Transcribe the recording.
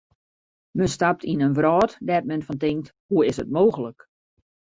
Men stapt yn in wrâld dêr't men fan tinkt: hoe is it mooglik.